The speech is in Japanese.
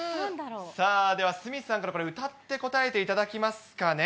さあでは鷲見さんから、これ、歌って答えていただきますかね。